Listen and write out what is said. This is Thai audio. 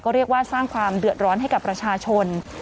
เรียกว่าสร้างความเดือดร้อนให้กับประชาชน